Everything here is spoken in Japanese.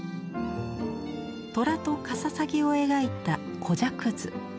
トラとカササギを描いた「虎鵲図」。